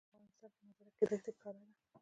د افغانستان په منظره کې دښتې ښکاره ده.